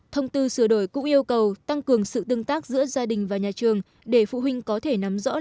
thông tư sửa đổi cũng yêu cầu tăng cường sự tương tác giữa gia đình và nhà trường để phụ huynh có thể nắm rõ lực học của con mình